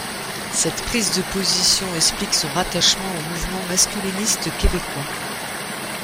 Cette prise de position explique son rattachement au mouvement masculiniste québécois.